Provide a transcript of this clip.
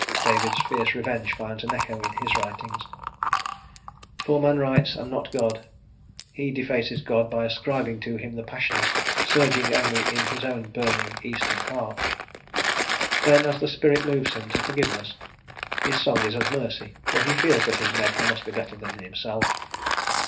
David's fierce revenge finds an echo in his writings; for man writes, and not God: he defaces God by ascribing to Him the passions surging only in his own burning Eastern heart: then, as the Spirit moves him to forgiveness, his song is of mercy; for he feels that his Maker must be better than himself.